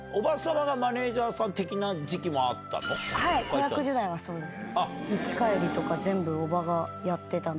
子役時代はそうですね。